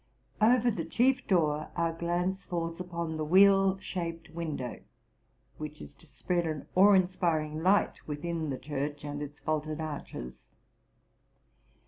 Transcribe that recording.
Over the chief door our glance falls upon the wheel shaped window, which is to spread an awe inspiring light within the church and its vaulted arches.